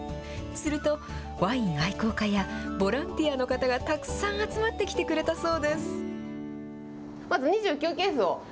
すると、ワイン愛好家やボランティアの方がたくさん集まってきてくれたそうです。